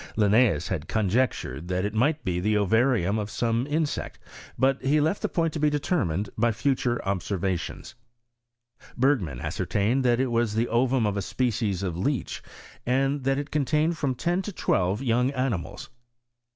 Linneeus had con* jectured that it might be the ovarium of some in sect; but he left the point to be determined faj future observations. Bergman ascertained that it was the ovum of a species of leech, and that it con* P&OGIUBS or CHEMISTaT IH SWEDEN. 31 tained from ten to twelve young animals.